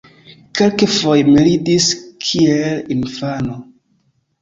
Kelkfoje mi ridis kiel infano.